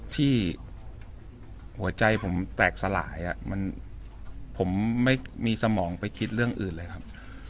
ที่หัวใจผมแตกสลายผมไม่มีสมองไปคิดเรื่องอื่นเลยครับ